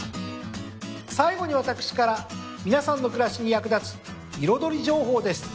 最後に私から皆さんの暮らしに役立つ彩り情報です。